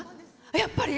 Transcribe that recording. やっぱり？